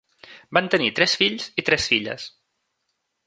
Van tenir tres fills i tres filles.